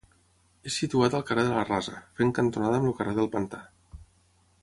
És situat al carrer de la Rasa, fent cantonada amb el carrer del Pantà.